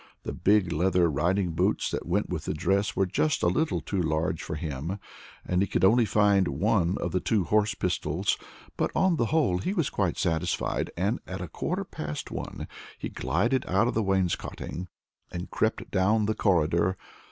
The big leather riding boots that went with the dress were just a little too large for him, and he could only find one of the two horse pistols, but, on the whole, he was quite satisfied, and at a quarter past one he glided out of the wainscoting and crept down the corridor.